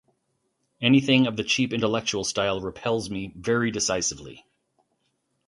Anything of the cheap intellectual style repels me very decisively.